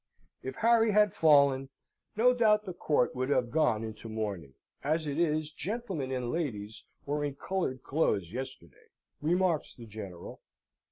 "If Harry had fallen, no doubt the court would have gone into mourning: as it is, gentlemen and ladies were in coloured clothes yesterday," remarks the General.